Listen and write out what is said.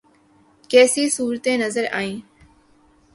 کیسی صورتیں نظر آئیں؟